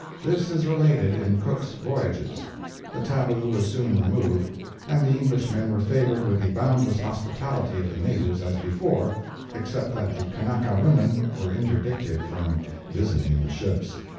This is related in "Cook's Voyages." The tabu was soon removed, and the Englishmen were favored with the boundless hospitality of the natives as before, except that the Kanaka women were interdicted from visiting the ships.